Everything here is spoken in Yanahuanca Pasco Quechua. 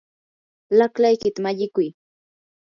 laqlaykita mallikuy.